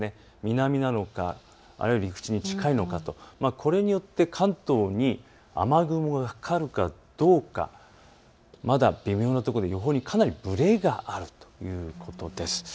南なのかあるいは陸地に近いのかこれによって関東に雨雲がかかるかどうかまだ微妙なところで予報にかなりぶれがあるということです。